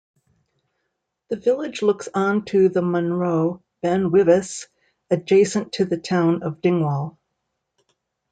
The village looks onto the munro Ben Wyvis, adjacent to the town of Dingwall.